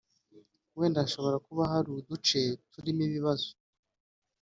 wenda hashobora kuba ahari duce tutarimo ibibazo